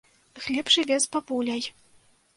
Глеб жыве з бабуляй.